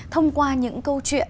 thông qua những câu chuyện